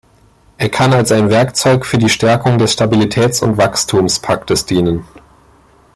Er kann als ein Werkzeug für die Stärkung des Stabilitäts- und Wachstumspaktes dienen.